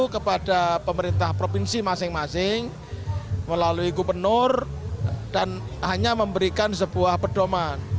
kepada pemerintah provinsi masing masing melalui gubernur dan hanya memberikan sebuah pedoman